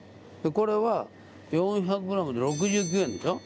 これは４００ｇで６９円でしょう？